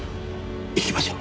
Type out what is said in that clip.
行きましょう。